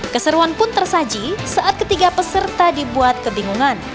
keseruan pun tersaji saat ketiga peserta dibuat kebingungan